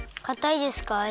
かたいですか？